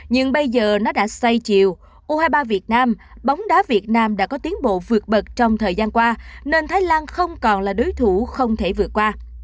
nhưng bây giờ nó đã say chiều u hai mươi ba việt nam bóng đá việt nam đã có tiến bộ vượt bật trong thời gian qua nên thái lan không còn là đối thủ không thể vượt qua